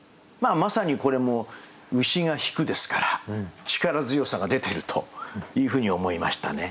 まさにこれも「牛が牽く」ですから力強さが出てるというふうに思いましたね。